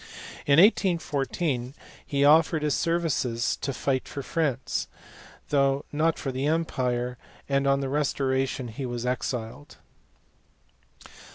In 1814 he offered his services to fight for France, though not for the empire ; and on the restoration he was exiled.